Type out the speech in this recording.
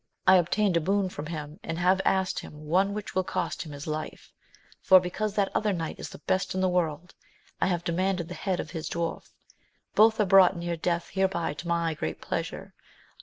I obtained a boon from him, and have asked him one which will cost him his hfe ; for, be cause that other knight is the best in the world, I have demanded the head of his dwarf; both are brought near death hereby to my great pleasure.